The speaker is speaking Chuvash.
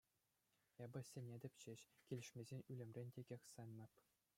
Эпӗ сӗнетӗп ҫеҫ, килӗшмесен ӳлӗмрен текех сӗнмӗп.